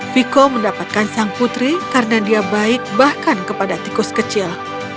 viko mendapatkan sang putri karena dia baik bahkan kepada tikus kecil